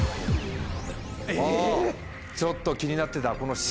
ちょっと気になってたこのＣ。